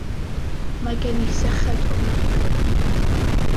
Mae gen i sychad ofnadwy.